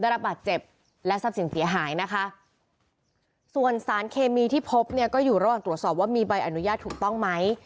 ระบาดเจ็บและทรัพย์สินเสียหายนะคะส่วนสารเคมีที่พบเนี่ยก็อยู่ระหว่างตรวจสอบว่ามีใบอนุญาตถูกต้องไหม